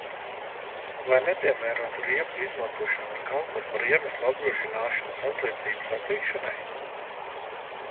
Vai nepiemērotu riepu izmantošana var kalpot par iemeslu apdrošināšanas atlīdzības atteikšanai?